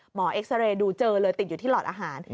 เอ็กซาเรย์ดูเจอเลยติดอยู่ที่หลอดอาหาร